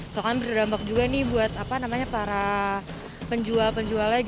soal kan berdampak juga nih buat apa namanya para penjual penjualnya